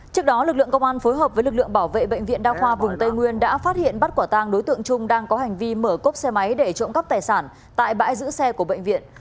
trước đó lực lượng công an phối hợp với lực lượng bảo vệ bệnh viện đa khoa vùng tây nguyên đã phát hiện bắt quả tang đối tượng trung đang có hành vi mở cốc xe máy để trộm cắp tài sản tại bãi giữ xe của bệnh viện